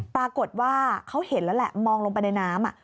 ปรากฏว่าเขาเห็นแล้วแหละมองลงไปในน้ำ